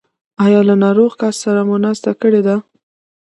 ایا له ناروغ کس سره مو ناسته کړې ده؟